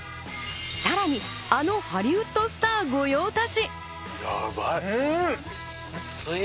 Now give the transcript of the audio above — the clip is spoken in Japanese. さらに、あのハリウッドスター御用達。